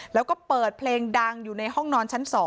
แล้วก็เปิดเพลงดังอยู่ในห้องนอนชั้น๒